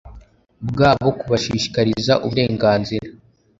bwabo kubashishikariza uburenganzira